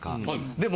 でも。